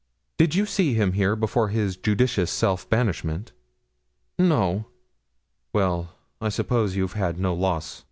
Did you see him here before his judicious self banishment?' 'No.' 'Well, I suppose you have had no loss.